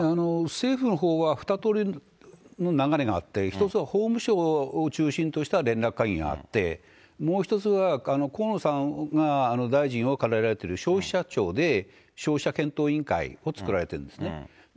政府のほうは２通りの流れがあって、１つは法務省を中心とした連絡会議があって、もう一つは、河野さんが大臣を兼ねられてる消費者庁で、消費者検討委員会を作られているんですね。